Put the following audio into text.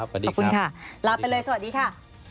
ขอบคุณค่ะลาไปเลยสวัสดีค่ะ